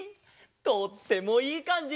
とってもいいかんじ！